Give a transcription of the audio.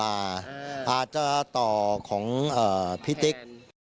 อาจจะต่อของพี่ติ๊ก